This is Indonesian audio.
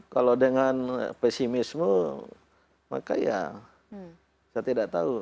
kalau dengan pesimisme maka ya saya tidak tahu